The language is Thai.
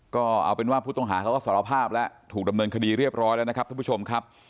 ก็เอาเป็นว่าผู้ต้องหาเขาก็สารภาพแล้วถูกดำเนินคดีเรียบร้อยแล้วนะครับท่านผู้ชมครับ